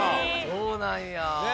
そうなんや！